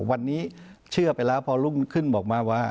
วันนี้เชื่อไปแล้วพอรุ่งขึ้นบอกมาว่า